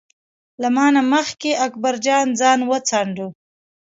له ما نه مخکې اکبر جان ځان وڅانډه.